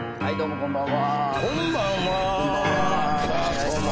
こんばんは。